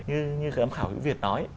như ấm khảo hữu việt nói